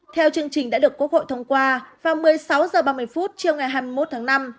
theo chương trình đã được quốc hội thông qua vào một mươi sáu h ba mươi chiều ngày hai mươi một tháng năm